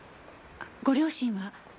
ご両親は？